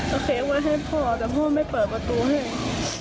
โอเคไว้ให้พ่อแต่พ่อไม่เปิดประตูให้